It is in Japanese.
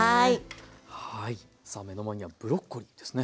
さあ目の前にはブロッコリーですね。